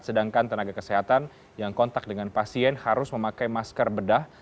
sedangkan tenaga kesehatan yang kontak dengan pasien harus memakai masker bedah